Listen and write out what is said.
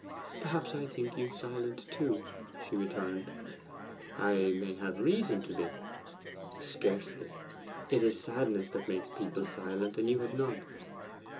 'Perhaps I think you silent too,' she returned. 'I may have reason to be.' 'Scarcely; it is sadness that makes people silent, and you can have none.